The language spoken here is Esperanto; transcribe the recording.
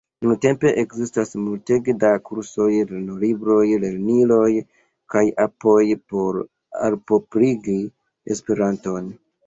Nuntempe ekzistas multege da kursoj, lernolibroj, lerniloj kaj apoj por alproprigi Esperanton.